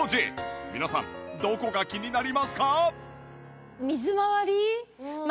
皆さんどこが気になりますか？